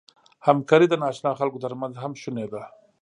همکاري د ناآشنا خلکو تر منځ هم شونې ده.